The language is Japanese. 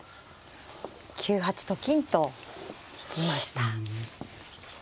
９八と金と引きました。